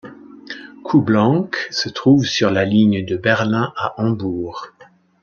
Kuhblank se trouve sur la ligne de Berlin à Hambourg.